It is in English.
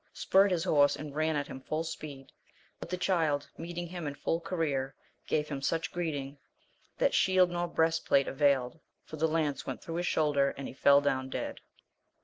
41 spurred his horse and ran at him full speed, but the Child meeting him in full career gave him such greeting, that shield nor breast plate availed, for the lance went through his shoulder and he fell down dead.